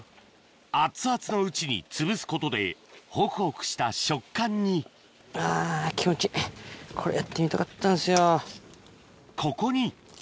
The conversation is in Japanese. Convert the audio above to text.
熱々のうちにつぶすことでほくほくした食感にこれやってみたかったんですよ。